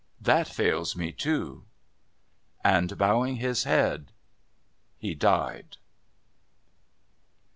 That fails me too." And, bowing his head, he died.